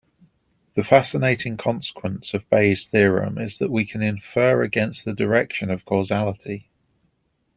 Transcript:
The fascinating consequence of Bayes' theorem is that we can infer against the direction of causality.